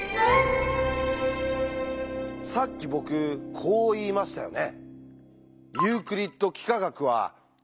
さっき僕こう言いましたよね。